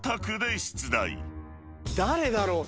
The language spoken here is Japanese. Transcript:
誰だろう。